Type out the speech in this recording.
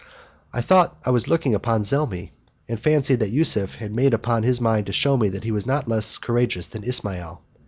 I thought I was looking upon Zelmi, and fancied that Yusuf had made up his mind to shew me that he was not less courageous than Ismail.